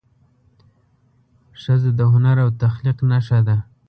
ښځه د هنر او تخلیق نښه ده.